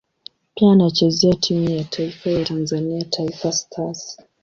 Pia anachezea timu ya taifa ya Tanzania Taifa Stars.